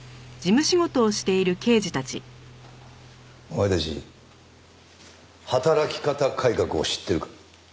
お前たち働き方改革を知っているか？